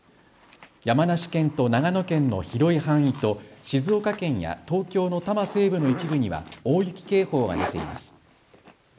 山梨県と長野県の広い範囲と静岡県や東京の多摩西部の一部には大雪警報が出ています。